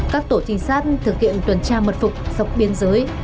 các tổ trinh sát thực hiện tuần tra mật phục dọc biên giới